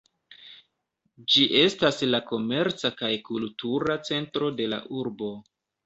Ĝi estas la komerca kaj kultura centro de la urbo.